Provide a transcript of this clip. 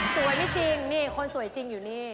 ไม่จริงนี่คนสวยจริงอยู่นี่